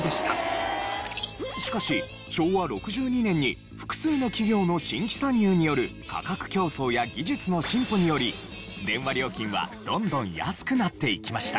しかし昭和６２年に複数の企業の新規参入による価格競争や技術の進歩により電話料金はどんどん安くなっていきました。